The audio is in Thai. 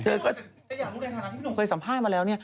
ฉันอยากรู้ในฐานะพี่หนุ่มเคยสัมภาษณ์มาแล้วเนี่ย